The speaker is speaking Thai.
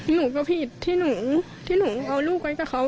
หนูก็ผิดที่หนูที่หนูเอาลูกไว้กับเขา